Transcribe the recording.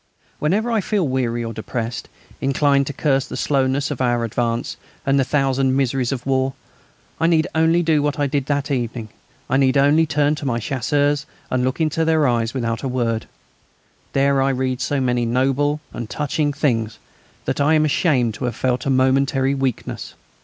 Whenever I feel weary or depressed, inclined to curse the slowness of our advance and the thousand miseries of war, I need only do what I did that evening. I need only turn to my Chasseurs and look into their eyes without a word; there I read so many noble and touching things that I am ashamed to have felt a momentary weakness.